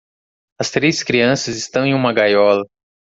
As três crianças estão em uma gaiola.